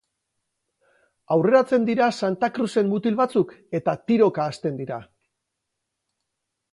Aurreratzen dira Santa Kruzen mutil batzuk eta tiroka hasten dira.